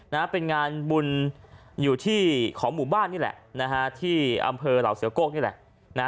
นะฮะเป็นงานบุญอยู่ที่ของหมู่บ้านนี่แหละนะฮะที่อำเภอเหล่าเสือโก้นี่แหละนะฮะ